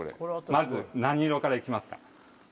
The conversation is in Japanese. まず何色から行きますか？